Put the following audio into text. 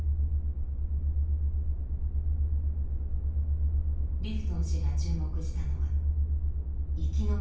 リフトン氏が注目したのは生き残った者の葛藤。